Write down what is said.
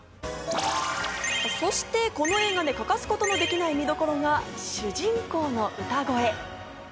そしてこの映画で欠かすことのできない見どころが主人公の歌声。